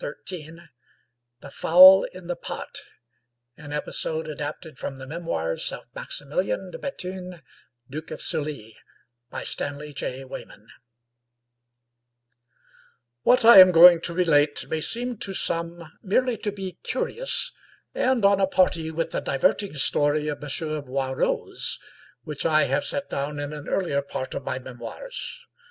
Weyman The Fowl in the Pot An Episode ^Adapted from the Memoirs of Maximilian de Bethune, Duke of Sully \X7'HAT I am going to relate may seem to some merely to be curious and on a party with the diverting story of M. Boisrose, which I have set down in an earlier part ot my memoirs.